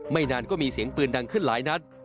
นานก็มีเสียงปืนดังขึ้นหลายนัด